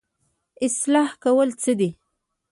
اصلاح کول څه دي؟